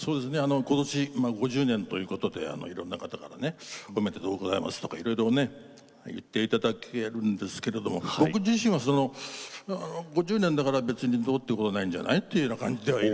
今年５０年ということでいろんな方からねおめでとうございますとかいろいろね言っていただけるんですけれども僕自身は５０年だから別にどうってことないんじゃないというような感じではいるんです。